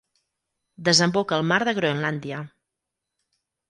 Desemboca al mar de Groenlàndia.